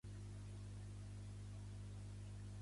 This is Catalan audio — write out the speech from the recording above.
La meva filla es diu Damià: de, a, ema, i, a amb accent obert.